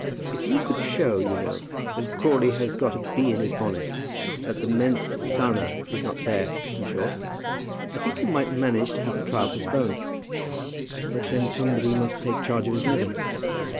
"If you could show, you know, that Crawley has got a bee in his bonnet; that the mens sana is not there, in short; I think you might manage to have the trial postponed." "But then somebody must take charge of his living."